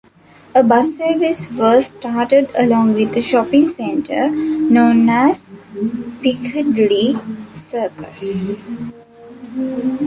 A bus service was started along with a shopping centre, known as Piccadilly Circus.